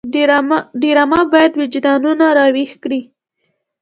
ډرامه باید وجدانونه راویښ کړي